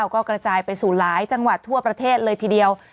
ก็กระจายไปสู่หลายจังหวัดทั่วประเทศเลยทีเดียว